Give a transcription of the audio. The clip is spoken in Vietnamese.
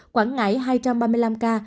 quảng ngãi hai ba mươi năm ca